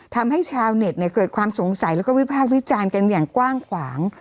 ทำให้ชาวเน็ตเกิดความสงสัยแล้วก็วิพากษ์วิจารณ์กันอย่างกว้างขวาง